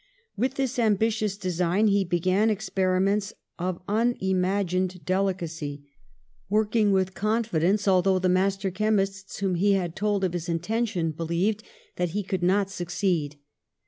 With this ambitious design he began ex periments of unimagined delicacy, working with 44 PASTEUR confidence, although the master chemists whom he had told of his intent believed that he could not succeed.